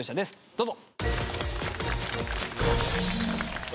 どうぞ。